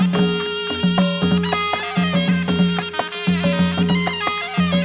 สวัสดีครับ